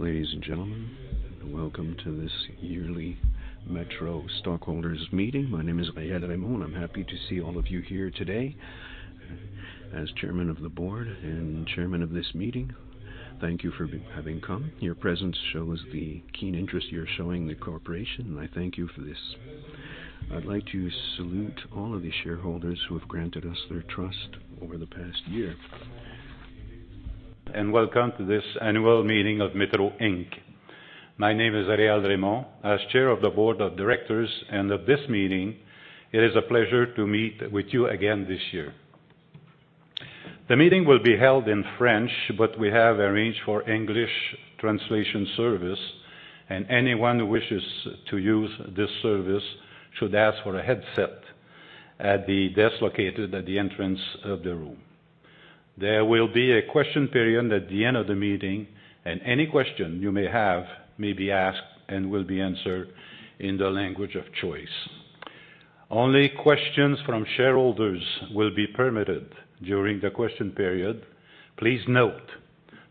Ladies and gentlemen, welcome to this yearly Metro stockholders meeting. My name is Réal Raymond. I am happy to see all of you here today. As Chair of the Board and Chair of this meeting, thank you for having come. Your presence shows the keen interest you are showing the corporation, and I thank you for this. I would like to salute all of the shareholders who have granted us their trust over the past year. Welcome to this annual meeting of Metro Inc. My name is Réal Raymond. As Chair of the Board of Directors and of this meeting, it is a pleasure to meet with you again this year. The meeting will be held in French, but we have arranged for English translation service, and anyone who wishes to use this service should ask for a headset at the desk located at the entrance of the room. There will be a question period at the end of the meeting, and any question you may have may be asked and will be answered in the language of choice. Only questions from shareholders will be permitted during the question period. Please note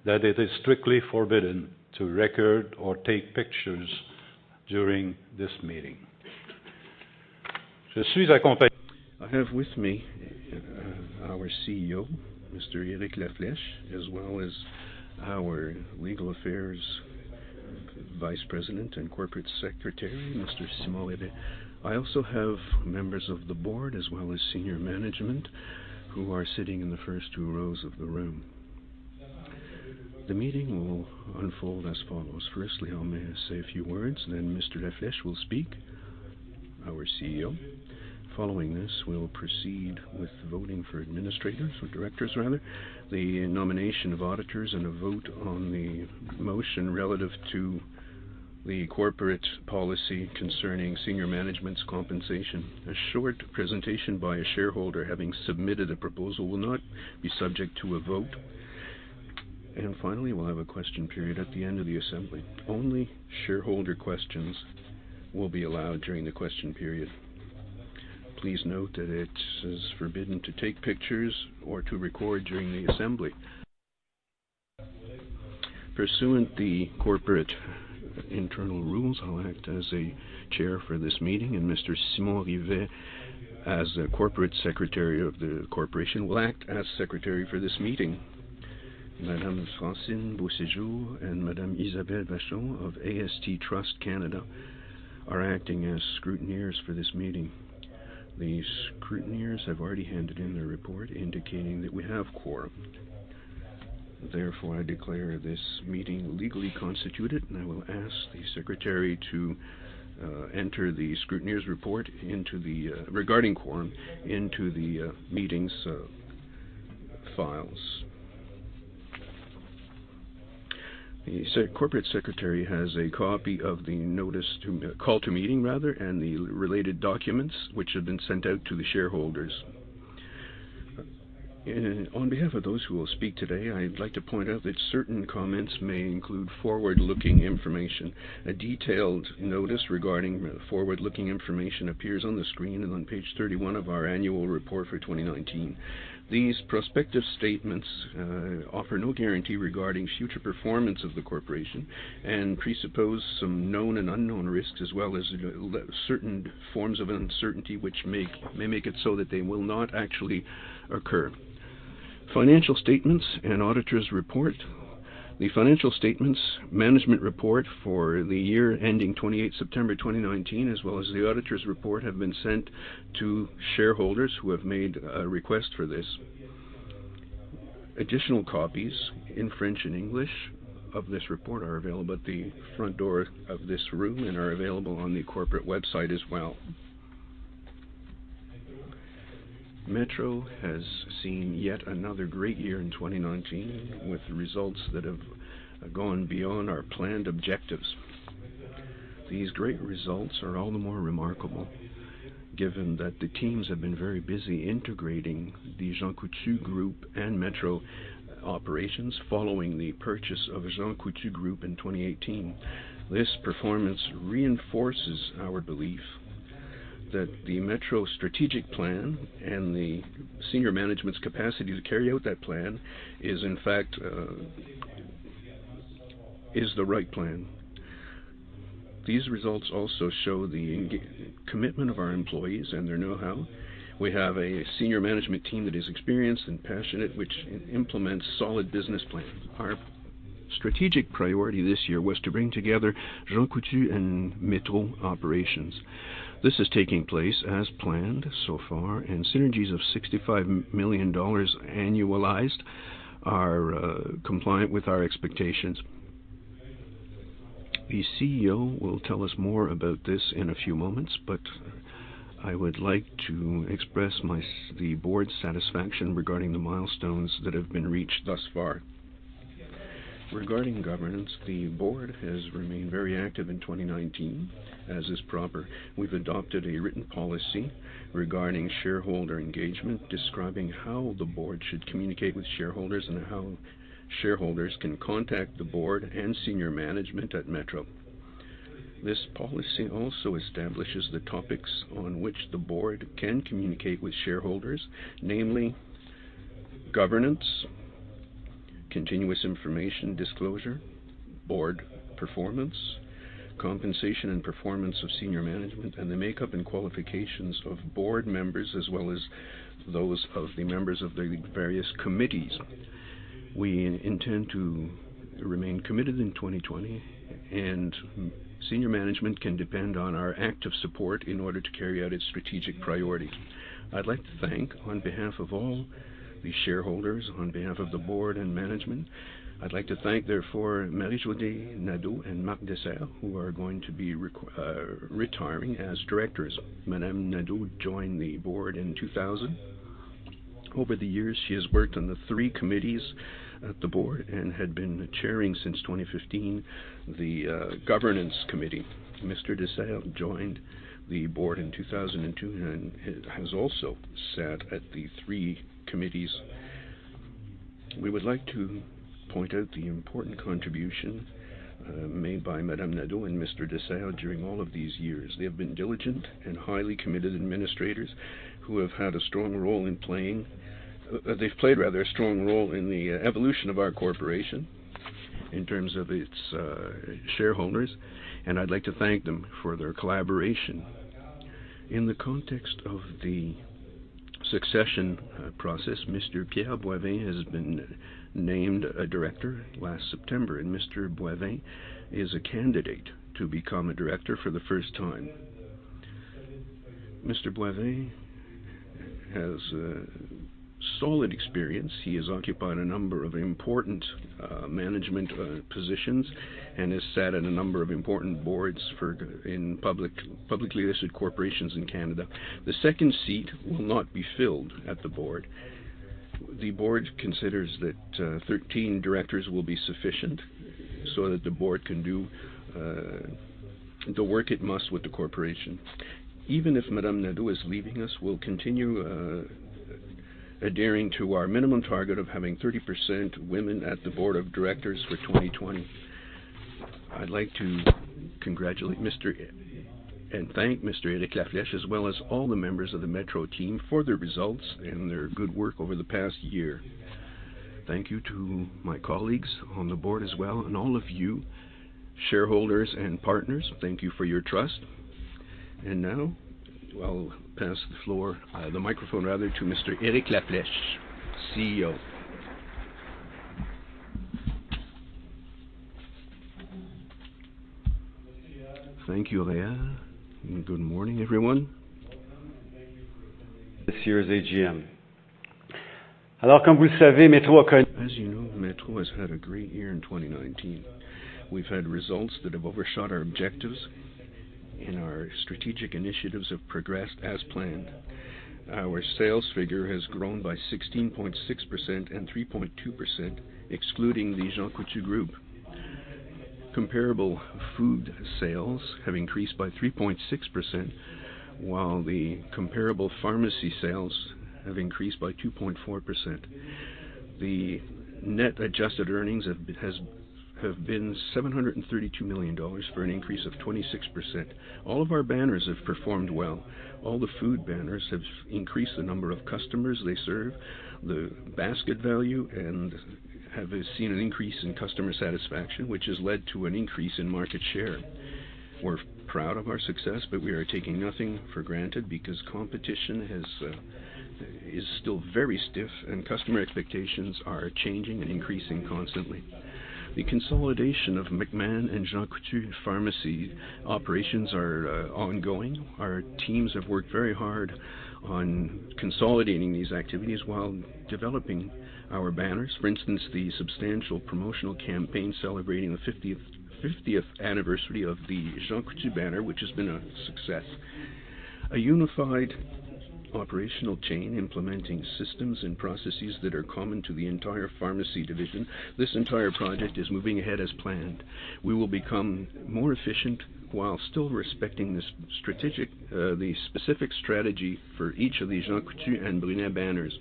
that it is strictly forbidden to record or take pictures during this meeting. I have with me our CEO, Mr. Eric La Flèche, as well as our Legal Affairs Vice President and Corporate Secretary, Mr. Simon Rivet. I also have members of the Board, as well as senior management, who are sitting in the first two rows of the room. The meeting will unfold as follows. Firstly, I will say a few words, then Mr. La Flèche will speak, our CEO. Following this, we will proceed with voting for administrators, or Directors rather, the nomination of auditors, and a vote on the motion relative to the corporate policy concerning senior management's compensation. A short presentation by a shareholder having submitted a proposal will not be subject to a vote. Finally, we will have a question period at the end of the assembly. Only shareholder questions will be allowed during the question period. Please note that it is forbidden to take pictures or to record during the assembly. Pursuant the corporate internal rules, I will act as Chair for this meeting and Mr. Simon Rivet, as Corporate Secretary of the corporation, will act as Secretary for this meeting. Madame Francine Beauséjour and Madame Isabelle Vachon of AST Trust Canada are acting as scrutineers for this meeting. The scrutineers have already handed in their report indicating that we have quorum. Therefore, I declare this meeting legally constituted, and I will ask the Secretary to enter the scrutineers' report regarding quorum into the meeting's files. The Corporate Secretary has a copy of the call to meeting and the related documents which have been sent out to the shareholders. On behalf of those who will speak today, I would like to point out that certain comments may include forward-looking information. A detailed notice regarding forward-looking information appears on the screen and on page 31 of our annual report for 2019. These prospective statements offer no guarantee regarding future performance of the corporation and presuppose some known and unknown risks, as well as certain forms of uncertainty which may make it so that they will not actually occur. Financial statements and auditor's report. The financial statements management report for the year ending 28 September 2019, as well as the auditor's report, have been sent to shareholders who have made a request for this. Additional copies in French and English of this report are available at the front door of this room and are available on the corporate website as well. Metro has seen yet another great year in 2019, with results that have gone beyond our planned objectives. These great results are all the more remarkable given that the teams have been very busy integrating The Jean Coutu Group and Metro operations following the purchase of The Jean Coutu Group in 2018. This performance reinforces our belief that the Metro strategic plan and the senior management's capacity to carry out that plan is the right plan. These results also show the commitment of our employees and their know-how. We have a senior management team that is experienced and passionate, which implements solid business plans. Our strategic priority this year was to bring together Jean Coutu and Metro operations. This is taking place as planned so far, and synergies of 65 million dollars annualized are compliant with our expectations. The CEO will tell us more about this in a few moments. I would like to express the board's satisfaction regarding the milestones that have been reached thus far. Regarding governance, the board has remained very active in 2019, as is proper. We've adopted a written policy regarding shareholder engagement, describing how the board should communicate with shareholders and how shareholders can contact the board and senior management at Metro. This policy also establishes the topics on which the board can communicate with shareholders, namely Governance, continuous information disclosure, board performance, compensation and performance of senior management, and the makeup and qualifications of board members, as well as those of the members of the various committees. We intend to remain committed in 2020, and senior management can depend on our active support in order to carry out its strategic priority. I'd like to thank on behalf of all the shareholders, on behalf of the board and management, I'd like to thank therefore Marie-Josée Nadeau and Marc DeSerres, who are going to be retiring as directors. Madame Nadeau joined the board in 2000. Over the years, she has worked on the three committees at the board and had been chairing since 2015, the Governance Committee. Mr. DeSerres joined the board in 2002 and has also sat at the three committees. We would like to point out the important contribution made by Madame Nadeau and Mr. DeSerres during all of these years. They have been diligent and highly committed administrators who have played, rather, a strong role in the evolution of our corporation in terms of its shareholders, and I'd like to thank them for their collaboration. In the context of the succession process, Mr. Pierre Boivin has been named a director last September. Mr. Boivin is a candidate to become a director for the first time. Mr. Boivin has solid experience. He has occupied a number of important management positions and has sat at a number of important boards in publicly listed corporations in Canada. The second seat will not be filled at the board. The board considers that 13 directors will be sufficient so that the board can do the work it must with the corporation. Even if Nadeau is leaving us, we'll continue adhering to our minimum target of having 30% women at the board of directors for 2020. I'd like to congratulate and thank Eric La Flèche, as well as all the members of the Metro team for their results and their good work over the past year. Thank you to my colleagues on the board as well, and all of you, shareholders and partners, thank you for your trust. Now I'll pass the floor, the microphone rather, to Eric La Flèche, CEO. Thank you, Réal. Good morning, everyone. Welcome, and thank you for attending this year's AGM. As you know, Metro has had a great year in 2019. We've had results that have overshot our objectives, and our strategic initiatives have progressed as planned. Our sales figure has grown by 16.6% and 3.2%, excluding the Jean Coutu Group. Comparable food sales have increased by 3.6%, while the comparable pharmacy sales have increased by 2.4%. The net adjusted earnings have been 732 million dollars, for an increase of 26%. All of our banners have performed well. All the food banners have increased the number of customers they serve, the basket value, and have seen an increase in customer satisfaction, which has led to an increase in market share. We're proud of our success, but we are taking nothing for granted because competition is still very stiff and customer expectations are changing and increasing constantly. The consolidation of McMahon and Pharmacie Jean Coutu operations are ongoing. Our teams have worked very hard on consolidating these activities while developing our banners. For instance, the substantial promotional campaign celebrating the 50th anniversary of the Jean Coutu banner, which has been a success. A unified operational chain implementing systems and processes that are common to the entire pharmacy division. This entire project is moving ahead as planned. We will become more efficient while still respecting the specific strategy for each of the Jean Coutu and Brunet banners.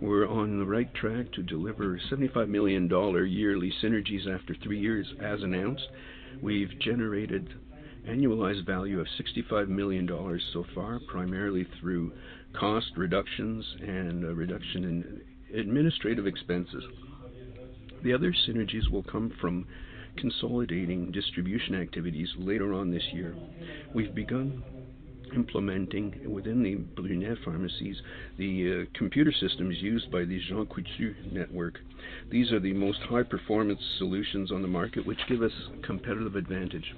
We're on the right track to deliver 75 million dollar yearly synergies after three years, as announced. We've generated annualized value of 65 million dollars so far, primarily through cost reductions and a reduction in administrative expenses. The other synergies will come from consolidating distribution activities later on this year. We've begun implementing within the Brunet Pharmacies, the computer systems used by the Jean Coutu network. These are the most high-performance solutions on the market, which give us competitive advantage.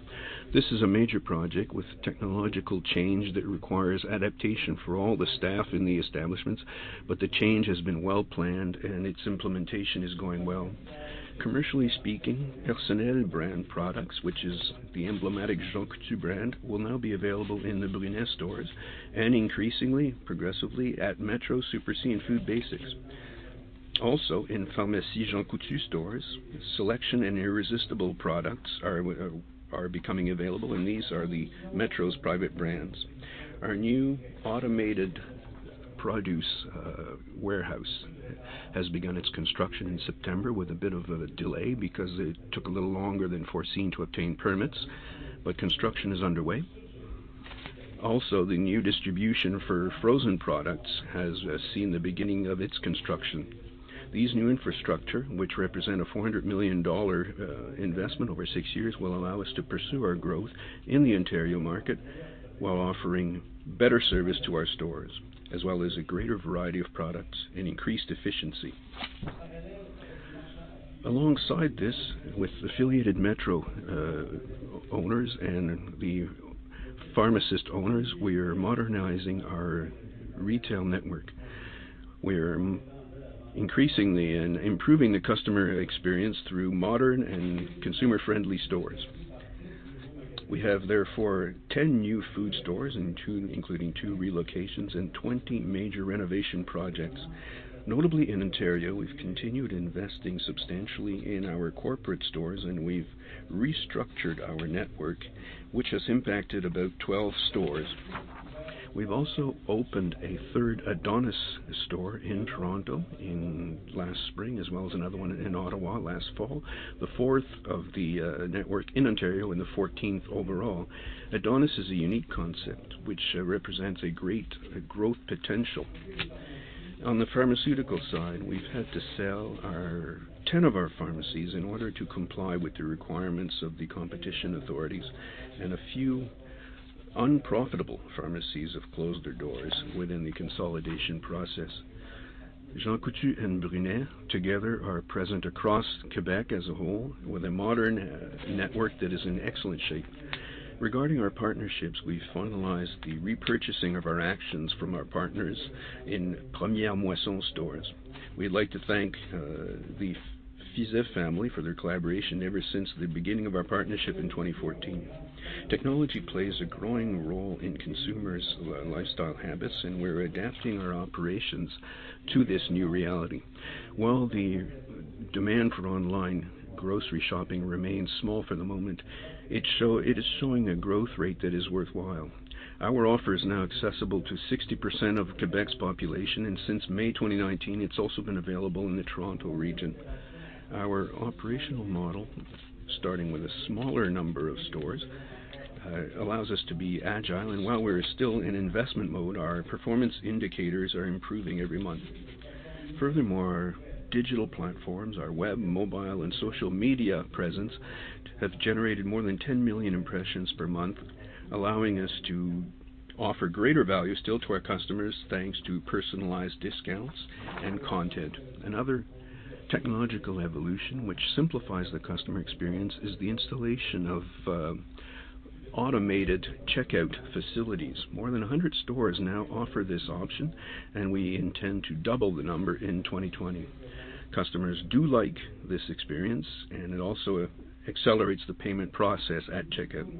This is a major project with technological change that requires adaptation for all the staff in the establishments, but the change has been well-planned and its implementation is going well. Commercially speaking, Personnelle brand products, which is the emblematic Jean Coutu brand, will now be available in the Brunet stores and increasingly, progressively at Metro, Super C, and Food Basics. Also in Pharmacie Jean Coutu stores, Selection and Irresistible products are becoming available, and these are the Metro's private brands. Our new automated produce warehouse has begun its construction in September with a bit of a delay because it took a little longer than foreseen to obtain permits, but construction is underway. The new distribution for frozen products has seen the beginning of its construction. These new infrastructure, which represent a 400 million dollar investment over six years, will allow us to pursue our growth in the Ontario market while offering better service to our stores, as well as a greater variety of products and increased efficiency. Alongside this, with affiliated Metro owners and the pharmacist owners, we are modernizing our retail network. We're increasingly improving the customer experience through modern and consumer-friendly stores. We have, therefore, 10 new food stores, including two relocations, and 20 major renovation projects. Notably in Ontario, we've continued investing substantially in our corporate stores, and we've restructured our network, which has impacted about 12 stores. We've also opened a third Adonis store in Toronto last spring, as well as another one in Ottawa last fall, the fourth of the network in Ontario and the 14th overall. Adonis is a unique concept, which represents a great growth potential. On the pharmaceutical side, we've had to sell 10 of our pharmacies in order to comply with the requirements of the competition authorities, and a few unprofitable pharmacies have closed their doors within the consolidation process. Jean Coutu and Brunet together are present across Quebec as a whole, with a modern network that is in excellent shape. Regarding our partnerships, we finalized the repurchasing of our actions from our partners in Première Moisson stores. We'd like to thank the Fiset family for their collaboration ever since the beginning of our partnership in 2014. Technology plays a growing role in consumers' lifestyle habits, and we're adapting our operations to this new reality. While the demand for online grocery shopping remains small for the moment, it is showing a growth rate that is worthwhile. Our offer is now accessible to 60% of Quebec's population, and since May 2019, it's also been available in the Toronto region. Our operational model, starting with a smaller number of stores, allows us to be agile, and while we're still in investment mode, our performance indicators are improving every month. Furthermore, our digital platforms, our web, mobile, and social media presence, have generated more than 10 million impressions per month, allowing us to offer greater value still to our customers, thanks to personalized discounts and content. Another technological evolution which simplifies the customer experience is the installation of automated checkout facilities. More than 100 stores now offer this option, and we intend to double the number in 2020. Customers do like this experience, and it also accelerates the payment process at checkout.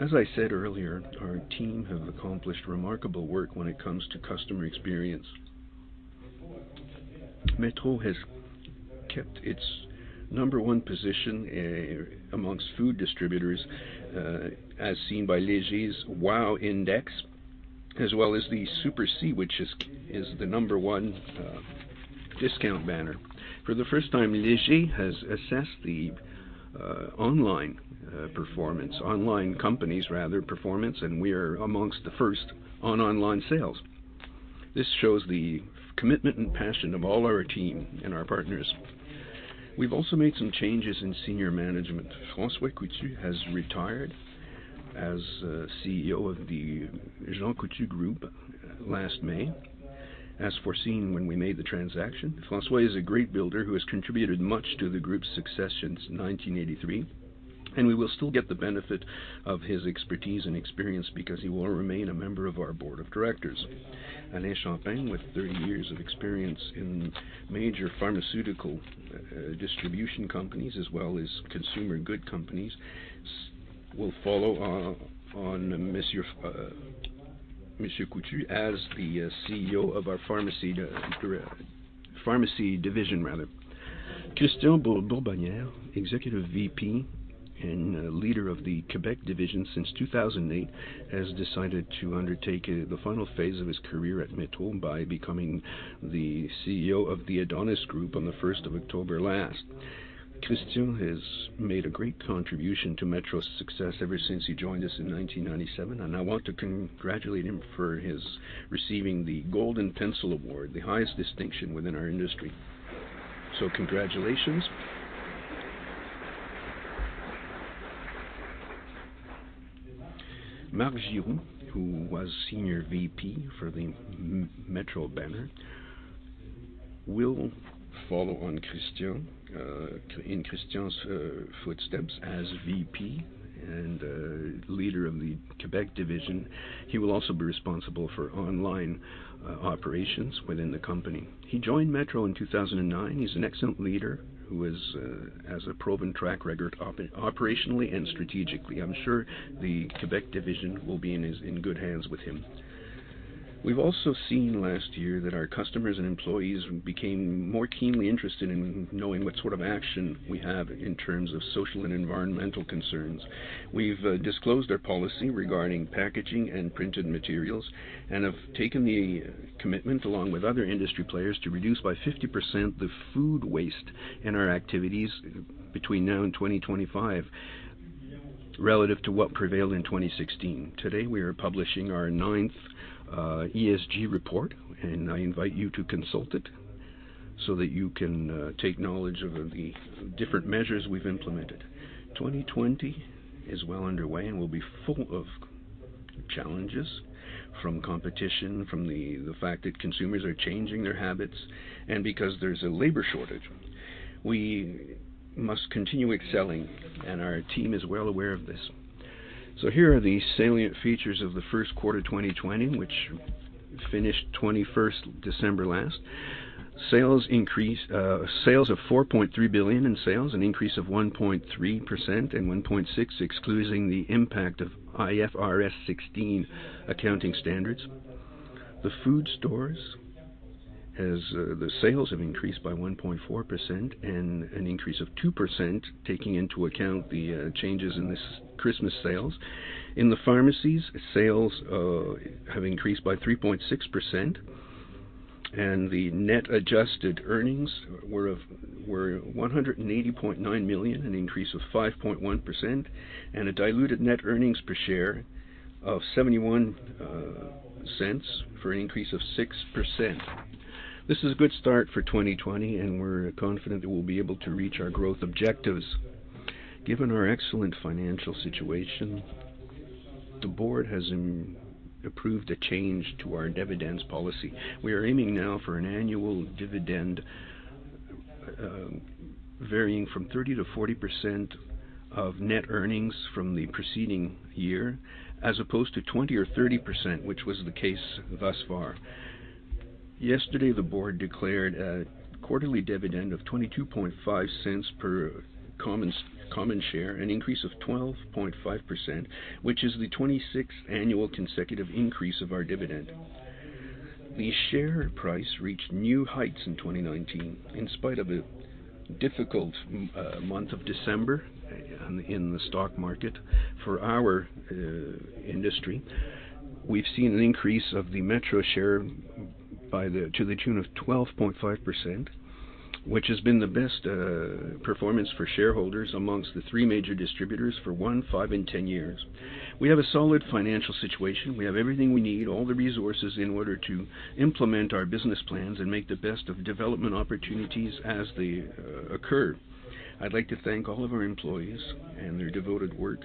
As I said earlier, our team have accomplished remarkable work when it comes to customer experience. Metro has kept its number one position amongst food distributors, as seen by Léger's WOW Index, as well as the Super C, which is the number one discount banner. For the first time, Léger has assessed the online companies' performance, and we are amongst the first on online sales. This shows the commitment and passion of all our team and our partners. We've also made some changes in senior management. François Coutu has retired as CEO of The Jean Coutu Group last May, as foreseen when we made the transaction. François is a great builder who has contributed much to the group's success since 1983, and we will still get the benefit of his expertise and experience because he will remain a member of our board of directors. Alain Champagne, with 30 years of experience in major pharmaceutical distribution companies, as well as consumer goods companies, will follow on Monsieur Coutu as the CEO of our pharmacy division. Christian Bourbonnière, Executive VP and leader of the Quebec division since 2008, has decided to undertake the final phase of his career at Metro by becoming the CEO of the Adonis Group on the 1st of October last. Christian has made a great contribution to Metro's success ever since he joined us in 1997, and I want to congratulate him for his receiving the Golden Pencil Award, the highest distinction within our industry. Congratulations. Marc Giroux, who was Senior VP for the Metro banner, will follow in Christian's footsteps as VP and leader of the Quebec division. He will also be responsible for online operations within the company. He joined Metro in 2009. He's an excellent leader who has a proven track record operationally and strategically. I'm sure the Quebec division will be in good hands with him. We've also seen last year that our customers and employees became more keenly interested in knowing what sort of action we have in terms of social and environmental concerns. We've disclosed our policy regarding packaging and printed materials, and have taken the commitment, along with other industry players, to reduce by 50% the food waste in our activities between now and 2025. Relative to what prevailed in 2016. Today, we are publishing our ninth ESG report, and I invite you to consult it so that you can take knowledge of the different measures we've implemented. 2020 is well underway and will be full of challenges from competition, from the fact that consumers are changing their habits, and because there's a labor shortage. We must continue excelling, and our team is well aware of this. Here are the salient features of the first quarter 2020, which finished 21st December last. Sales of 4.3 billion, an increase of 1.3% and 1.6% excluding the impact of IFRS 16 accounting standards. The food stores, the sales have increased by 1.4% and an increase of 2% taking into account the changes in the Christmas sales. In the pharmacies, sales have increased by 3.6%, and the net adjusted earnings were 180.9 million, an increase of 5.1%, and a diluted net earnings per share of 0.71 for an increase of 6%. This is a good start for 2020, and we're confident that we'll be able to reach our growth objectives. Given our excellent financial situation, the board has approved a change to our dividends policy. We are aiming now for an annual dividend, varying from 30%-40% of net earnings from the preceding year, as opposed to 20% or 30%, which was the case thus far. Yesterday, the board declared a quarterly dividend of 0.225 per common share, an increase of 12.5%, which is the 26th annual consecutive increase of our dividend. The share price reached new heights in 2019, in spite of a difficult month of December in the stock market for our industry. We've seen an increase of the Metro share to the tune of 12.5%, which has been the best performance for shareholders amongst the three major distributors for one, five, and 10 years. We have a solid financial situation. We have everything we need, all the resources in order to implement our business plans and make the best of development opportunities as they occur. I'd like to thank all of our employees and their devoted work.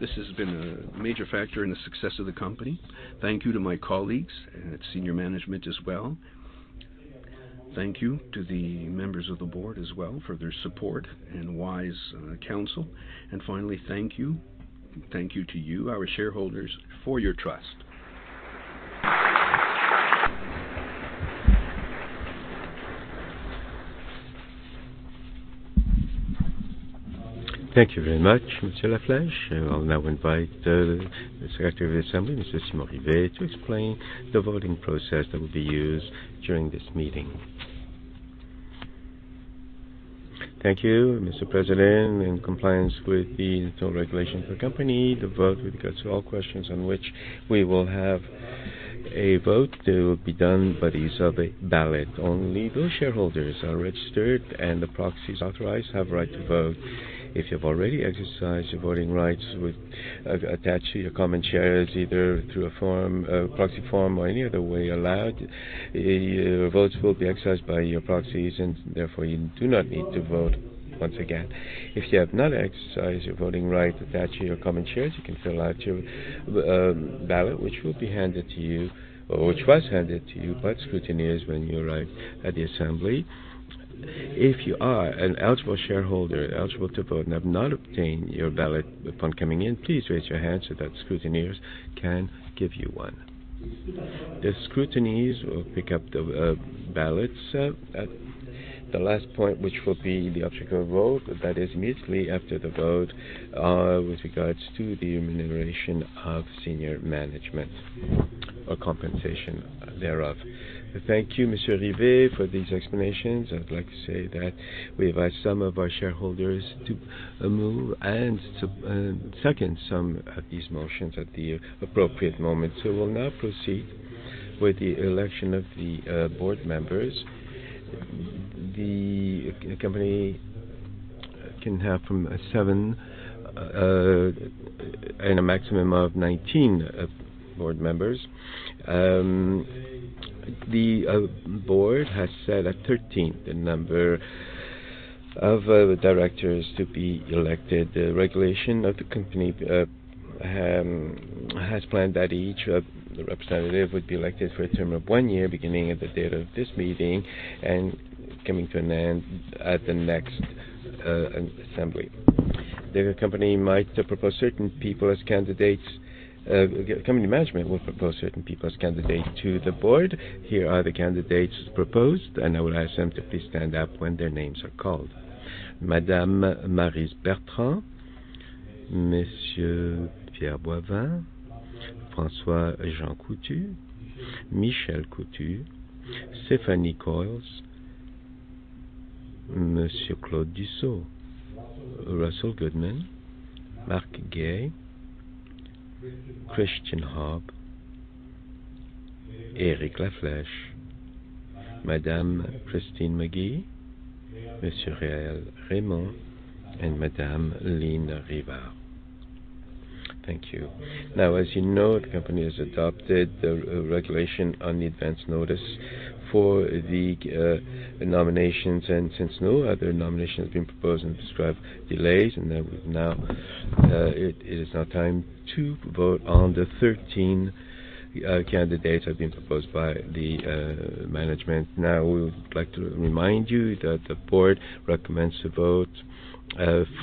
This has been a major factor in the success of the company. Thank you to my colleagues and senior management as well. Thank you to the members of the board as well for their support and wise counsel. Finally, thank you to you, our shareholders, for your trust. Thank you very much, Mr. La Flèche. I'll now invite the secretary of the assembly, Mr. Simon Rivet, to explain the voting process that will be used during this meeting. Thank you, Mr. President. In compliance with the total regulations of the company, the vote with regards to all questions on which we will have a vote to be done by the use of a ballot only. Those shareholders are registered, and the proxies authorized have right to vote. If you've already exercised your voting rights attached to your common shares, either through a proxy form or any other way allowed, your votes will be exercised by your proxies and therefore you do not need to vote once again. If you have not exercised your voting right attached to your common shares, you can fill out your ballot, which will be handed to you, or which was handed to you by scrutineers when you arrived at the assembly. If you are an eligible shareholder, eligible to vote, and have not obtained your ballot upon coming in, please raise your hand so that scrutineers can give you one. The scrutineers will pick up the ballots at the last point, which will be the object of vote. That is immediately after the vote with regards to the remuneration of senior management or compensation thereof. Thank you, Mr. Rivet, for these explanations. I'd like to say that we invite some of our shareholders to move and to second some of these motions at the appropriate moment. We'll now proceed with the election of the board members. The company can have from seven and a maximum of 19 board members. The board has set at 13 the number of directors to be elected. The regulation of the company has planned that each representative would be elected for a term of one year, beginning at the date of this meeting and coming to an end at the next assembly. The company management will propose certain people as candidates to the board. Here are the candidates proposed, and I would ask them to please stand up when their names are called. Madame Maryse Bertrand, Monsieur Pierre Boivin, François J. Coutu, Michel Coutu, Stephanie Coyles, Monsieur Claude Dussault, Russell Goodman, Marc Guay, Christian Haub, Eric La Flèche, Madame Christine Magee, Monsieur Réal Raymond, and Madame Line Rivard. Thank you. Now, as you know, the company has adopted the regulation on the advance notice for the nominations. Since no other nomination has been proposed and described delays, it is now time to vote on the 13 candidates that have been proposed by the management. We would like to remind you that the board recommends to vote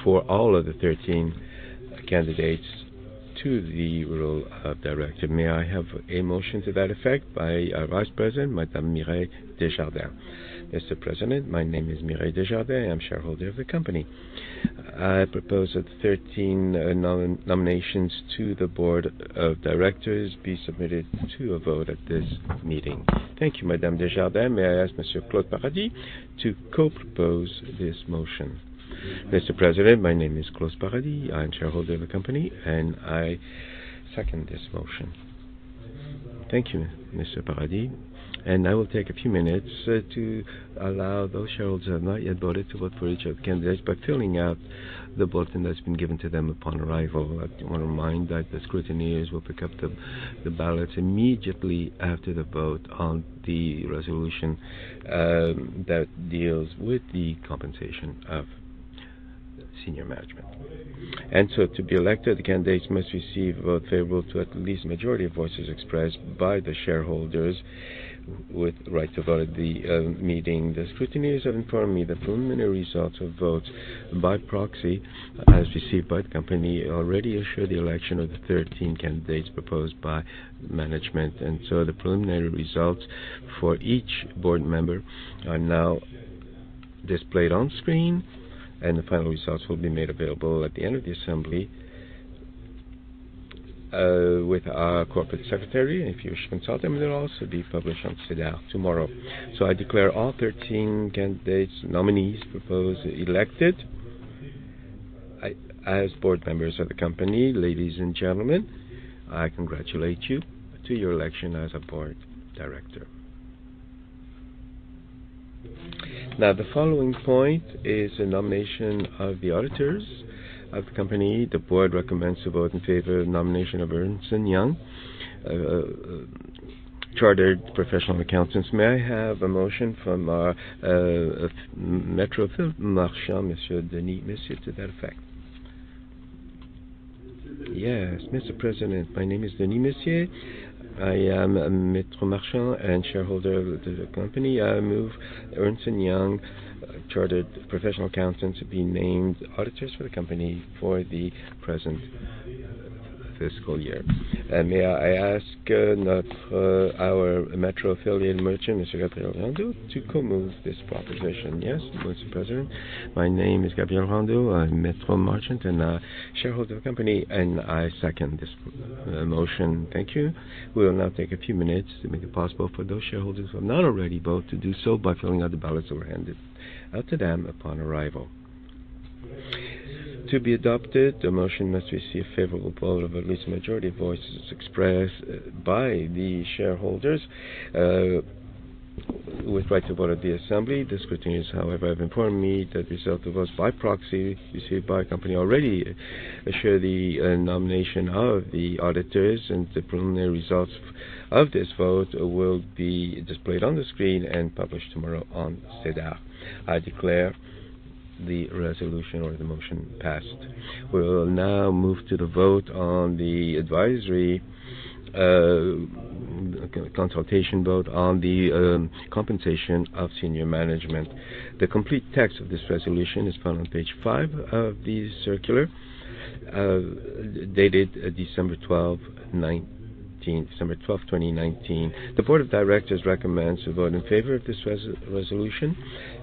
for all of the 13 candidates to the role of director. May I have a motion to that effect by our Vice President, Madame Mireille Desjardins. Mr. President, my name is Mireille Desjardins. I'm shareholder of the company. I propose that the 13 nominations to the board of directors be submitted to a vote at this meeting. Thank you, Madame Desjardins. May I ask Monsieur Claude Paradis to co-propose this motion? Mr. President, my name is Claude Paradis. I'm shareholder of the company, and I second this motion. Thank you, Monsieur Paradis. I will take a few minutes to allow those shareholders who have not yet voted to vote for each of the candidates by filling out the ballot that's been given to them upon arrival. I want to remind that the scrutineers will pick up the ballots immediately after the vote on the resolution that deals with the compensation of senior management. To be elected, the candidates must receive a vote favorable to at least majority of voices expressed by the shareholders with right to vote at the meeting. The scrutineers have informed me the preliminary results of votes by proxy, as received by the company, already assure the election of the 13 candidates proposed by management. The preliminary results for each board member are now displayed on screen, the final results will be made available at the end of the assembly with our Corporate Secretary. If you wish to consult them, they'll also be published on SEDAR tomorrow. I declare all 13 candidates, nominees proposed, elected as board members of the company. Ladies and gentlemen, I congratulate you to your election as a board director. The following point is the nomination of the auditors of the company. The board recommends to vote in favor of nomination of Ernst & Young chartered professional accountants. May I have a motion from our Metro merchant, Monsieur Denis Messier, to that effect? Yes. Mr. President, my name is Denis Messier. I am a Metro merchant and shareholder of the company. I move Ernst & Young chartered professional accountants be named auditors for the company for the present fiscal year. May I ask our Metro affiliate merchant, Monsieur Gabriel Rondeau, to co-move this proposition? Yes, Mr. President. My name is Gabriel Rondeau. I'm Metro merchant and a shareholder of the company, and I second this motion. Thank you. We'll now take a few minutes to make it possible for those shareholders who have not already vote to do so by filling out the ballots that were handed out to them upon arrival. To be adopted, the motion must receive favorable vote of at least a majority of voices expressed by the shareholders with right to vote at the assembly. The scrutineers, however, have informed me that results of votes by proxy received by our company already assure the nomination of the auditors, and the preliminary results of this vote will be displayed on the screen and published tomorrow on SEDAR. I declare the resolution or the motion passed. We will now move to the vote on the advisory consultation vote on the compensation of senior management. The complete text of this resolution is found on page five of the circular, dated December 12, 2019. The board of directors recommends to vote in favor of this resolution.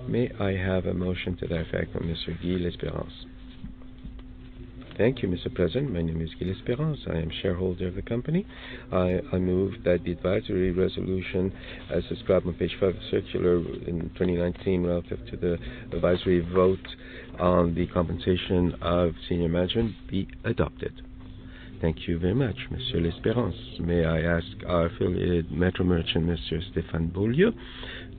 May I have a motion to that effect from Monsieur Guy L'Espérance? Thank you, Mr. President. My name is Guy L'Espérance. I am a shareholder of the company. I move that the advisory resolution, as described on page five of the circular in 2019 relative to the advisory vote on the compensation of senior management, be adopted. Thank you very much, Monsieur L'Espérance. May I ask our affiliate Metro merchant, Monsieur Stéphane Beaulieu,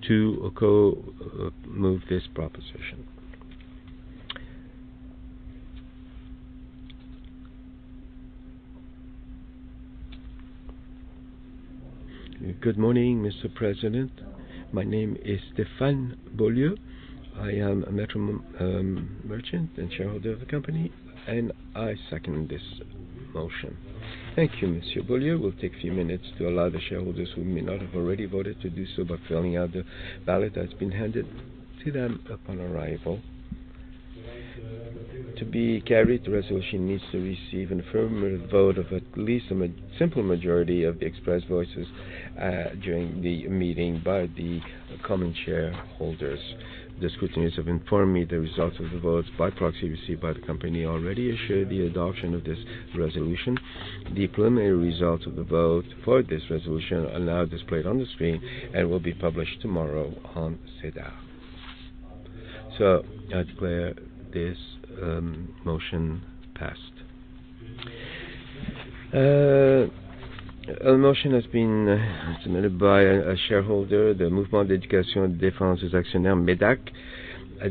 to co-move this proposition. Good morning, Mr. President. My name is Stéphane Beaulieu. I am a Metro merchant and shareholder of the company, and I second this motion. Thank you, Monsieur Beaulieu. We will take a few minutes to allow the shareholders who may not have already voted to do so by filling out the ballot that has been handed to them upon arrival. To be carried, the resolution needs to receive an affirmative vote of at least a simple majority of the expressed votes during the meeting by the common shareholders. The scrutineers have informed me the results of the votes by proxy received by the company already assure the adoption of this resolution. The preliminary results of the vote for this resolution are now displayed on the screen and will be published tomorrow on SEDAR. I declare this motion passed. A motion has been submitted by a shareholder, the Mouvement d'éducation et de défense des actionnaires, MÉDAC.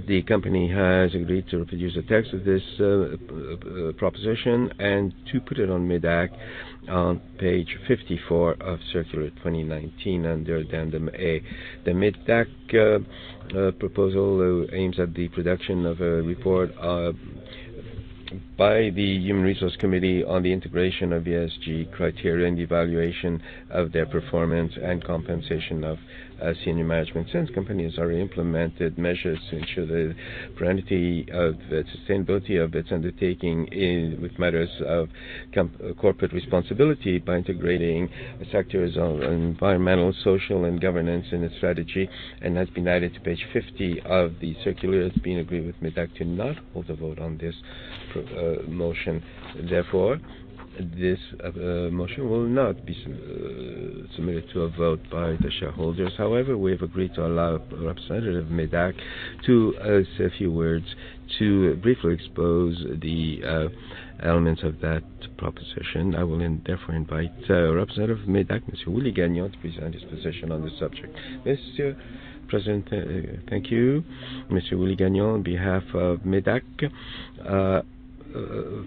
The company has agreed to reproduce the text of this proposition and to put it on MÉDAC on page 54 of circular 2019 under Addendum A. The MÉDAC proposal aims at the production of a report by the Human Resources Committee on the integration of ESG criteria and evaluation of their performance and compensation of senior management. Since companies have already implemented measures to ensure the priority of the sustainability of its undertaking with matters of corporate responsibility by integrating factors of environmental, social, and governance in its strategy, and has been added to page 50 of the circular. It has been agreed with MÉDAC to not hold a vote on this motion. Therefore, this motion will not be submitted to a vote by the shareholders. However, we have agreed to allow a representative of MÉDAC to say a few words to briefly expose the elements of that proposition. I will therefore invite representative of MÉDAC, Monsieur Willie Gagnon, to present his position on the subject. Mr. President, thank you. Monsieur Willie Gagnon on behalf of MÉDAC. The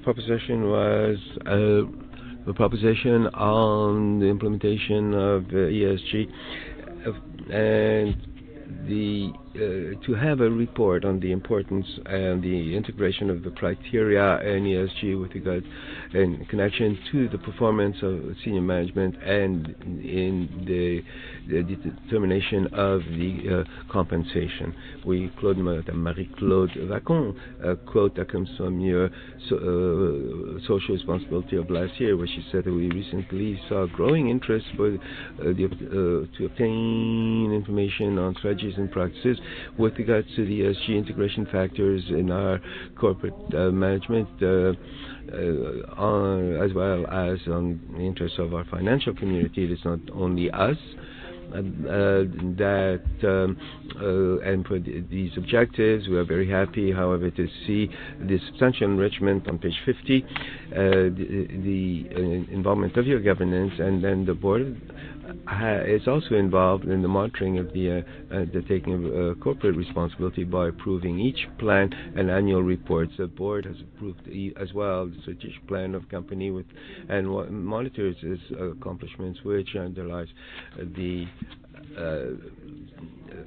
proposition on the implementation of ESG, to have a report on the importance and the integration of the criteria and ESG with regards and connection to the performance of senior management and in the determination of the compensation. We quote Madame Marie-Claude Bacon, a quote that comes from your social responsibility of last year, where she said that we recently saw growing interest to obtain information on strategies and practices with regards to the ESG integration factors in our corporate management, as well as on the interest of our financial community. It is not only us that input these objectives. We are very happy, however, to see the substantial enrichment on page 50, the involvement of your governance. The board is also involved in the monitoring of the taking of corporate responsibility by approving each plan and annual reports. The board has approved as well the strategic plan of company and monitors its accomplishments, which underlies the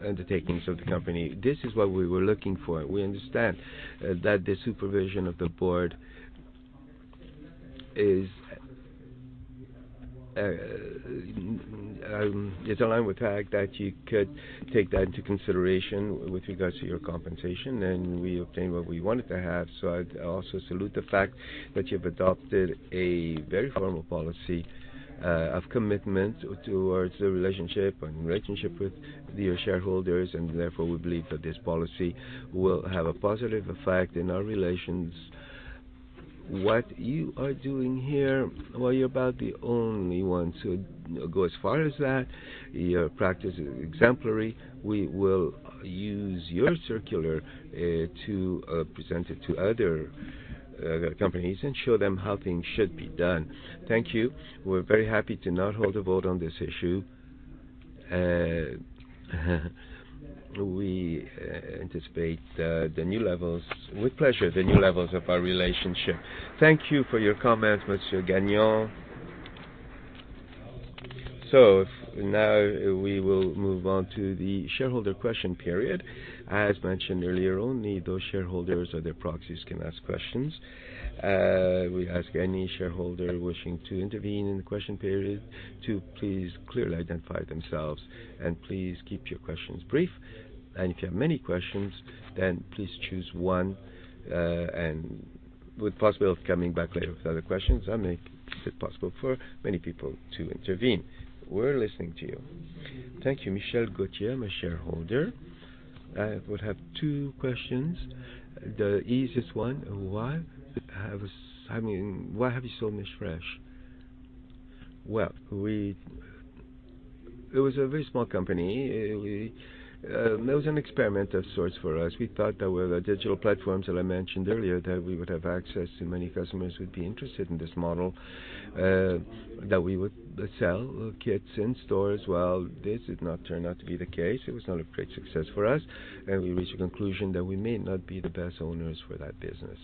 undertakings of the company. This is what we were looking for. We understand that the supervision of the board is aligned with the fact that you could take that into consideration with regards to your compensation. We obtained what we wanted to have. I'd also salute the fact that you've adopted a very formal policy of commitment towards the relationship and relationship with your shareholders. We believe that this policy will have a positive effect in our relations. What you are doing here, well, you're about the only one to go as far as that. Your practice is exemplary. We will use your circular to present it to other companies and show them how things should be done. Thank you. We're very happy to not hold a vote on this issue. We anticipate with pleasure the new levels of our relationship. Thank you for your comments, Monsieur Gagnon. Now we will move on to the shareholder question period. As mentioned earlier, only those shareholders or their proxies can ask questions. We ask any shareholder wishing to intervene in the question period to please clearly identify themselves. Please keep your questions brief. If you have many questions, please choose one, with possibility of coming back later with other questions, that make it possible for many people to intervene. We're listening to you. Thank you. Michel Gauthier, I'm a shareholder. I would have two questions. The easiest one, why have you sold MissFresh? Well, it was a very small company. It was an experiment of sorts for us. We thought that with our digital platforms, as I mentioned earlier, that we would have access to many customers who would be interested in this model, that we would sell kits in stores. Well, this did not turn out to be the case. It was not a great success for us. We reached a conclusion that we may not be the best owners for that business.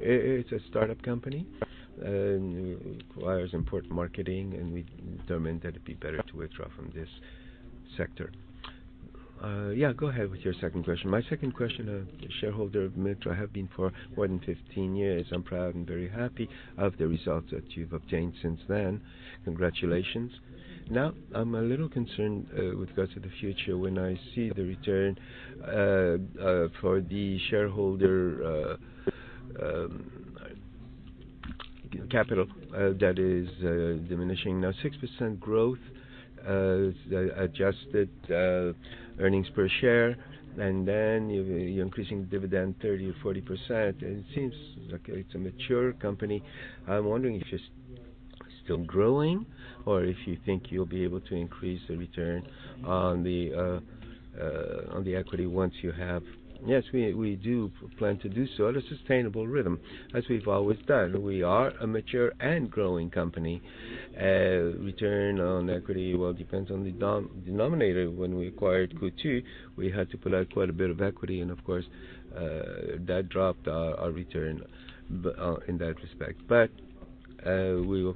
It's a startup company. Requires important marketing. We determined that it'd be better to withdraw from this sector. Yeah, go ahead with your second question. My second question, a shareholder of Metro. I have been for more than 15 years. I'm proud and very happy of the results that you've obtained since then. Congratulations. I'm a little concerned with regards to the future when I see the return for the shareholder capital that is diminishing. 6% growth, adjusted earnings per share. You're increasing dividend 30% or 40%. It seems like it's a mature company. I'm wondering if it's still growing, or if you think you'll be able to increase the return on the equity once you have. Yes, we do plan to do so at a sustainable rhythm, as we've always done. We are a mature and growing company. Return on equity, well, depends on the denominator. When we acquired Coutu, we had to pull out quite a bit of equity, and of course, that dropped our return in that respect. We will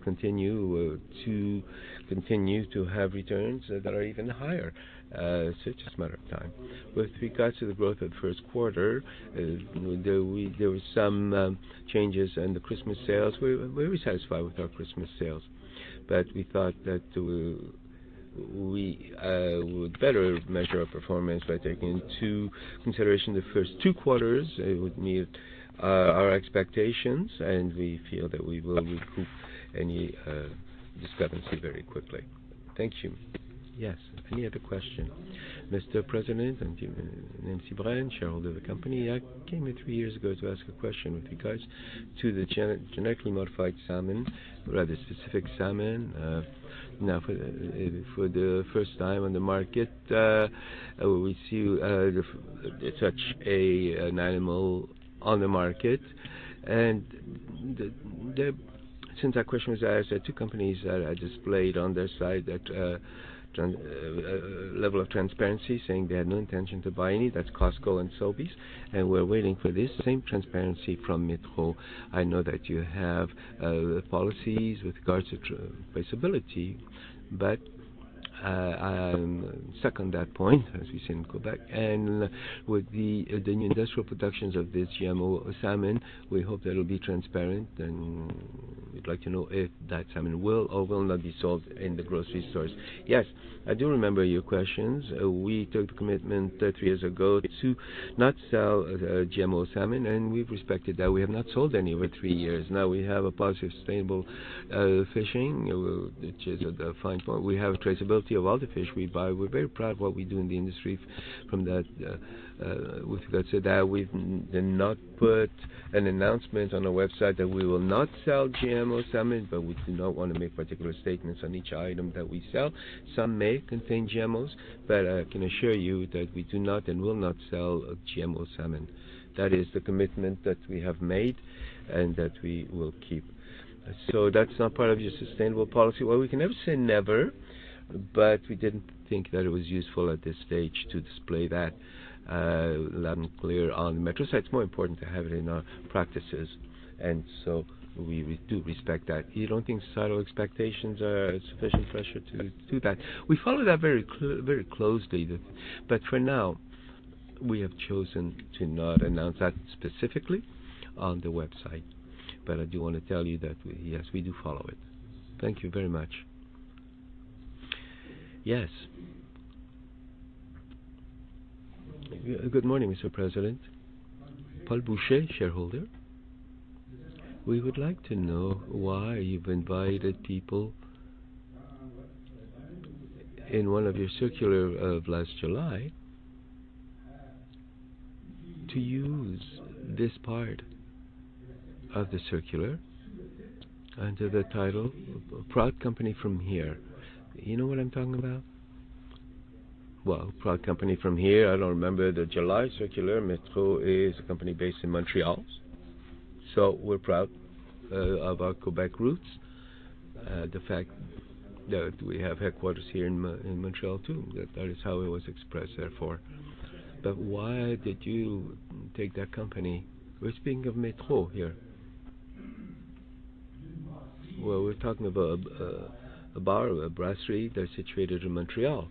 continue to have returns that are even higher. It's just a matter of time. With regards to the growth of the first quarter, there were some changes in the Christmas sales. We're satisfied with our Christmas sales. We thought that we would better measure our performance by taking into consideration the first two quarters. It would meet our expectations, and we feel that we will recoup any discrepancy very quickly. Thank you. Yes. Any other question? Mr. President, Nancy Brien, shareholder of the company. I came here three years ago to ask a question with regards to the genetically modified salmon, rather specific salmon. Now, for the first time on the market, we see such an animal on the market. Since that question was asked, two companies displayed on their site that level of transparency, saying they had no intention to buy any. That's Costco and Sobeys. We're waiting for this same transparency from Metro. I know that you have policies with regards to traceability, I'm stuck on that point, as we say in Quebec. With the industrial productions of this GMO salmon, we hope that'll be transparent, and we'd like to know if that salmon will or will not be sold in the grocery stores. Yes, I do remember your questions. We took the commitment three years ago to not sell GMO salmon, and we've respected that. We have not sold any for three years now. We have a policy of sustainable fishing, which is a fine point. We have traceability of all the fish we buy. We're very proud of what we do in the industry from that. With regards to that, we've not put an announcement on our website that we will not sell GMO salmon, we do not want to make particular statements on each item that we sell. Some may contain GMOs. I can assure you that we do not and will not sell GMO salmon. That is the commitment that we have made and that we will keep. That's not part of your sustainable policy. Well, we can never say never. We didn't think that it was useful at this stage to display that loud and clear on the Metro site. It's more important to have it in our practices. We do respect that. You don't think societal expectations are sufficient pressure to do that? We follow that very closely. For now, we have chosen to not announce that specifically on the website. I do want to tell you that yes, we do follow it. Thank you very much. Yes. Good morning, Mr. President. Paul Boucher, shareholder. We would like to know why you've invited people in one of your circular of last July to use this part of the circular under the title, Proud Company from Here. You know what I'm talking about? Proud Company from Here, I don't remember the July circular. Metro is a company based in Montreal. We're proud of our Quebec roots. The fact that we have headquarters here in Montreal, too. That is how it was expressed, therefore. Why did you take that company? We're speaking of Metro here. We're talking about a bar or a brasserie that's situated in Montreal.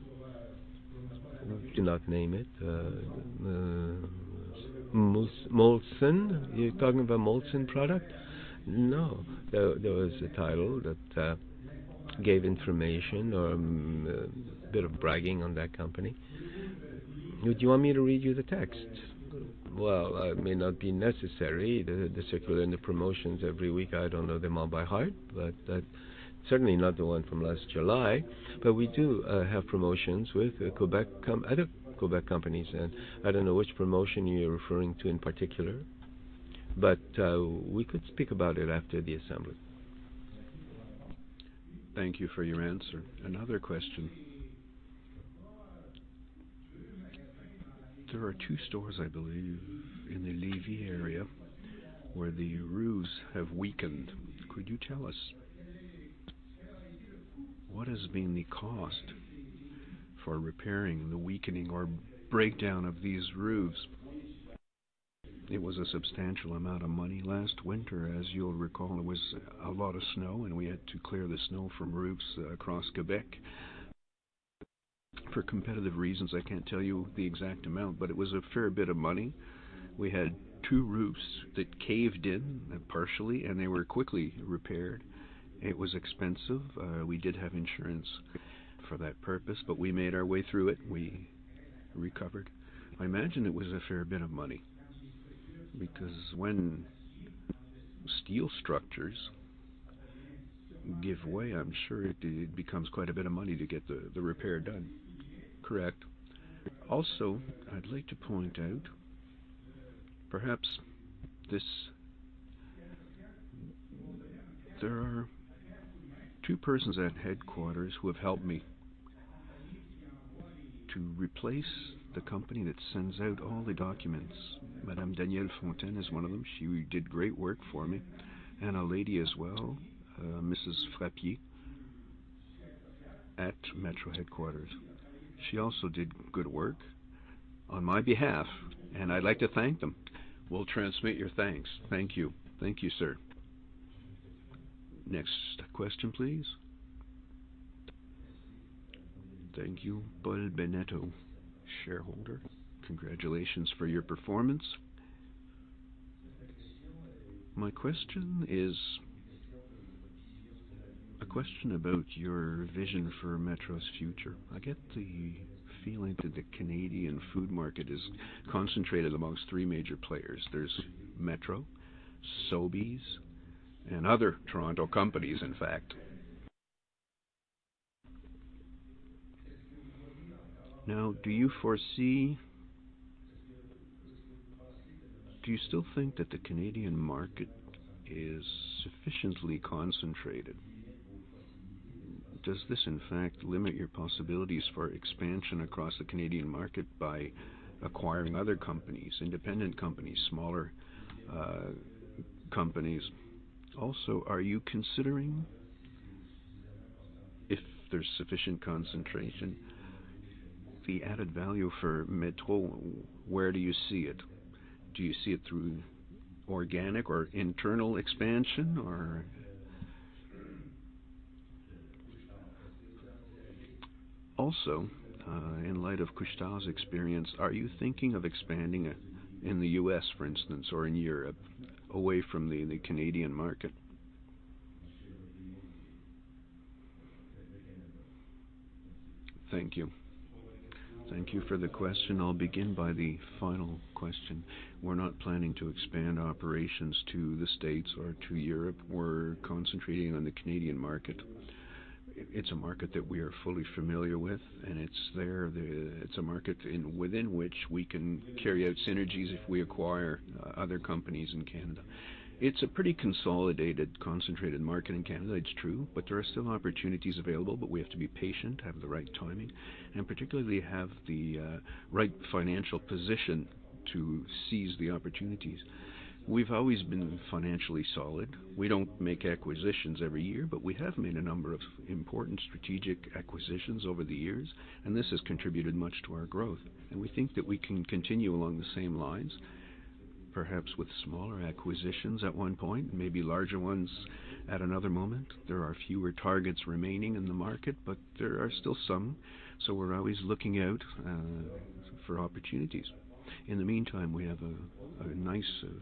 I do not name it. Molson. Are you talking about Molson product? No. There was a title that gave information or a bit of bragging on that company. Do you want me to read you the text? It may not be necessary. The circular and the promotions every week, I don't know them all by heart. Certainly not the one from last July. We do have promotions with other Quebec companies. I don't know which promotion you're referring to in particular. We could speak about it after the assembly. Thank you for your answer. Another question. There are two stores, I believe, in the Lévis area where the roofs have weakened. Could you tell us what has been the cost for repairing the weakening or breakdown of these roofs? It was a substantial amount of money. Last winter, as you'll recall, there was a lot of snow, and we had to clear the snow from roofs across Quebec. For competitive reasons, I can't tell you the exact amount, it was a fair bit of money. We had two roofs that caved in partially, and they were quickly repaired. It was expensive. We did have insurance for that purpose, we made our way through it. We recovered. I imagine it was a fair bit of money because when steel structures give way, I'm sure it becomes quite a bit of money to get the repair done. Correct. Also, I'd like to point out Perhaps this. There are two persons at headquarters who have helped me to replace the company that sends out all the documents. Danielle Fontaine is one of them. She did great work for me, and a lady as well, Frappier at Metro headquarters. She also did good work on my behalf, I'd like to thank them. We'll transmit your thanks. Thank you. Thank you, sir. Next question, please. Thank you, Paul Bennetto, shareholder. Congratulations for your performance. My question is a question about your vision for Metro's future. I get the feeling that the Canadian food market is concentrated amongst three major players. There's Metro, Sobeys, and other Toronto companies, in fact. Do you still think that the Canadian market is sufficiently concentrated? Does this, in fact, limit your possibilities for expansion across the Canadian market by acquiring other companies, independent companies, smaller companies? Also, are you considering if there's sufficient concentration, the added value for Metro, where do you see it? Do you see it through organic or internal expansion? Also, in light of Couche-Tard's experience, are you thinking of expanding in the U.S., for instance, or in Europe, away from the Canadian market? Thank you. Thank you for the question. I'll begin with the final question. We're not planning to expand operations to the States or to Europe. We're concentrating on the Canadian market. It's a market that we are fully familiar with, it's a market within which we can carry out synergies if we acquire other companies in Canada. It's a pretty consolidated, concentrated market in Canada, it's true, there are still opportunities available, we have to be patient, have the right timing, particularly have the right financial position to seize the opportunities. We've always been financially solid. We don't make acquisitions every year, we have made a number of important strategic acquisitions over the years, this has contributed much to our growth. We think that we can continue along the same lines, perhaps with smaller acquisitions at one point, maybe larger ones at another moment. There are fewer targets remaining in the market, there are still some. We're always looking out for opportunities. In the meantime, we have a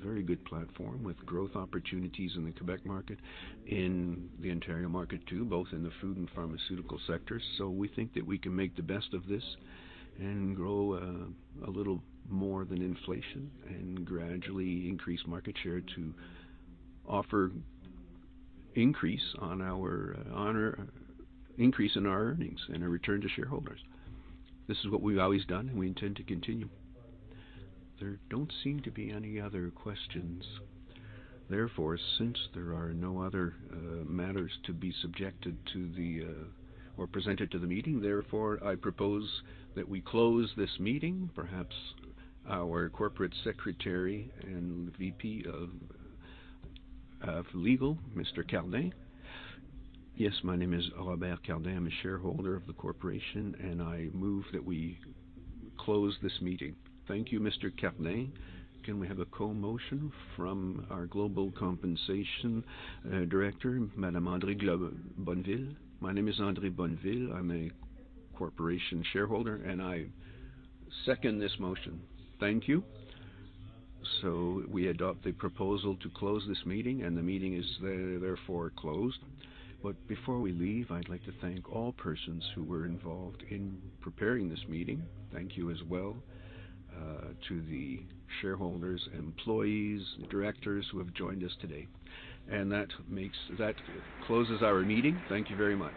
very good platform with growth opportunities in the Quebec market, in the Ontario market too, both in the food and pharmaceutical sectors. We think that we can make the best of this grow a little more than inflation gradually increase market share to offer increase in our earnings a return to shareholders. This is what we've always done, we intend to continue. There don't seem to be any other questions. Since there are no other matters to be subjected to or presented to the meeting, I propose that we close this meeting. Perhaps our corporate secretary and VP of legal, Mr. Coallier. Yes, my name is Robert Coallier. I'm a shareholder of the corporation, I move that we close this meeting. Thank you, Mr. Coallier. Can we have a co-motion from our Global Compensation Director, Madame Andrée Bonneville? My name is Andrée Bonneville. I'm a corporation shareholder, I second this motion. Thank you. We adopt the proposal to close this meeting, the meeting is therefore closed. Before we leave, I'd like to thank all persons who were involved in preparing this meeting. Thank you as well to the shareholders, employees, and directors who have joined us today. That closes our meeting. Thank you very much